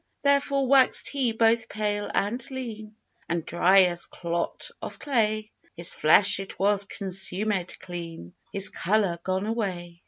Therefore waxed he both pale and lean, And dry as clot of clay; His flesh it was consumèd clean, His colour gone away....